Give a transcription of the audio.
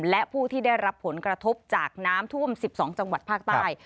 และผู้ที่ได้รับผลกระทบจากน้ำท่วม๑๒จังหวัดภาคใต้